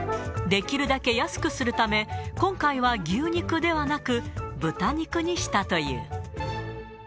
できるだけ安くするため、今回は牛肉ではなく、豚肉にしたという。